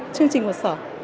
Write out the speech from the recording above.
chương trình hợp sở